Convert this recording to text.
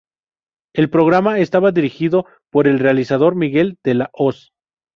El programa estaba dirigido por el realizador Miguel de la Hoz.